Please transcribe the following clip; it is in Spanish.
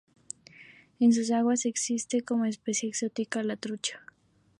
En sus aguas existe, como especie exótica, la trucha.